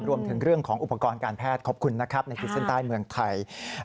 รวมถึงเรื่องของอุปกรณ์การแพทย์ขอบคุณนะครับในขีดเส้นใต้เมืองไทย